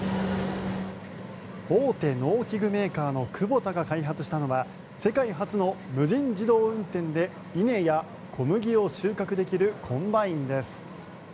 大手農機具メーカーのクボタが開発したのは世界初の無人自動運転で稲や小麦を収穫できるコンバインです。